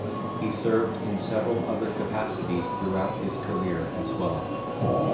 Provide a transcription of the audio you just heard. He served in several other capacities throughout his career as well.